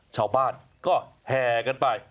ชาวบ้านก็แห่กันไป